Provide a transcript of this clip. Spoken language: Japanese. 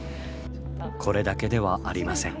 これだけではありません。